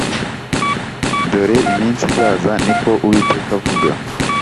Dore iminsi izaza ni ko uwiteka avuga